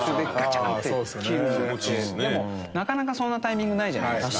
でもなかなかそんなタイミングないじゃないですか。